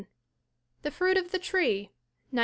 The Fruit of the Tree, 1907.